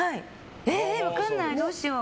分からない、どうしよう。